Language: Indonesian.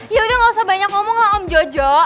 yaudah gausah banyak ngomong lah om jojo